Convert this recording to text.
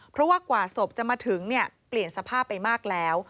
เพราะว่ากว่าศพจะมาถึงเปลี่ยนสภาพไปมากแล้ว